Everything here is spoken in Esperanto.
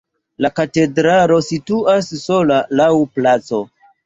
La katedralo situas sola laŭ placo.